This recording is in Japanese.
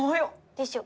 でしょ？